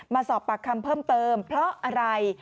มาสอบปากคำเพิ่มเติมเพราะอะไร